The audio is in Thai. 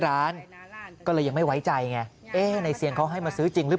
ร้านก็เลยยังไม่ไว้ใจไงในเซียงเขาให้มาซื้อจริงหรือ